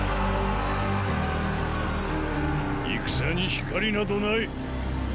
戦に“光”などない。